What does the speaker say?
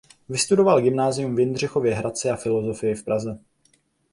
Vystudoval gymnázium v Jindřichově Hradci a filozofii v Praze.